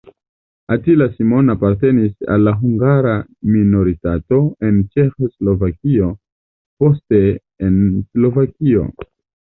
Attila Simon apartenis al la hungara minoritato en Ĉeĥoslovakio, poste en Slovakio.